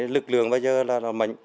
lực lượng bây giờ là